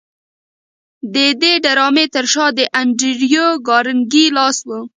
د دې ډرامې تر شا د انډریو کارنګي لاس و